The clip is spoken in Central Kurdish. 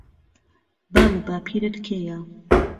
باب و باپیرت کێيه